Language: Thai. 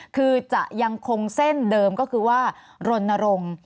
คือจะยังคงเส้นเดิมก็คือว่ารณรงค์